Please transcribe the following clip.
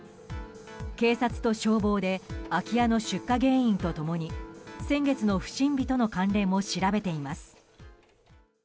警察と消防で空き家の出火原因と共に先月の不審火との関連も調べています。